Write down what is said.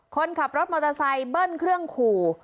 คนขับรถมอเตอร์ไซค์เบิ้ลเครื่องขู่